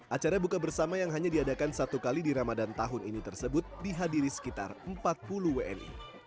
acara buka bersama yang hanya diadakan satu kali di ramadan tahun ini tersebut dihadiri sekitar empat puluh wni